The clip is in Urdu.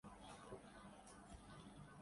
پاناما وہ مقام ہے۔